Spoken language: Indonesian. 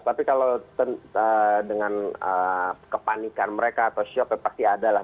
tapi kalau dengan kepanikan mereka atau shock ya pasti ada lah